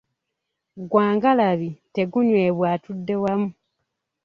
Gwa ngalabi, tegunywebwa atudde wamu.